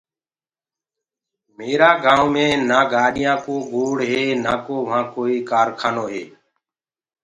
ميرآ گآئونٚ مي نآ گاڏيآنٚ ڪو شور هي نآڪو وهآن ڪوئي ڪارکانو هي